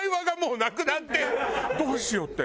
どうしよう？って。